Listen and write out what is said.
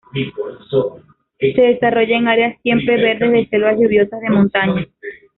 Se desarrolla en áreas siempre verdes de selvas lluviosas de montaña.